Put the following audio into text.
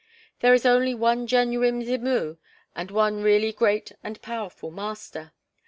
There is only one genuine Mzimu and one really great and powerful master.